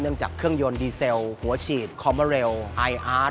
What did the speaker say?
จากเครื่องยนต์ดีเซลหัวฉีดคอมเมอร์เรลไออาร์ต